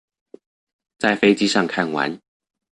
在飛機上看完